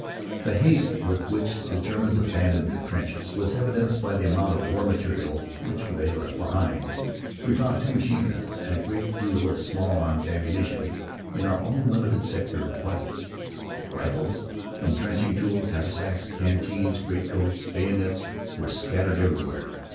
The haste with which the Germans abandoned their trenches was evidenced by the amount of war material which they left behind. We found two machine guns and a great deal of small arms ammunition in our own limited sector of frontage. Rifles, intrenching tools, haversacks, canteens, greatcoats, bayonets were scattered everywhere.